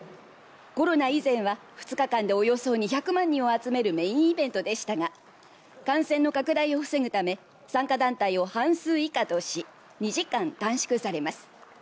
コロナ以前は２日間でおよそ２００万人を集めるメインイベントでしたが感染の拡大を防ぐため参加団体を半数以下とし２時間短縮されます。